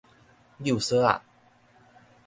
搝索仔